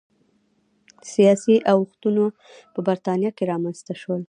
سیاسي اوښتونونه په برېټانیا کې رامنځته شول